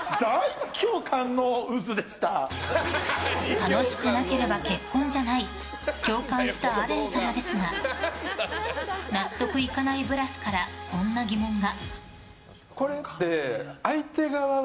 楽しくなければ結婚じゃない共感したアレン様ですが納得いかないブラスからこんな疑問が。